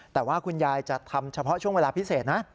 แต่ว่าคุณยายจะทำเฉพาะช่วงเวลาพิเศษนะ